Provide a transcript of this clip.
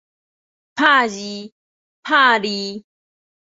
拍餌